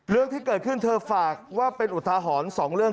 เรื่องที่เกิดขึ้นเธอฝากว่าเป็นอุทาหรณ์สองเรื่อง